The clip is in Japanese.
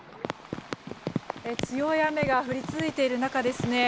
強い雨が降り続いている中ですね